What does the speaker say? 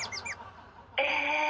え！